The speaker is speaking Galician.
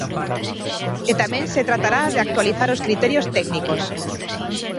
E tamén se tratará de actualizar os criterios técnicos.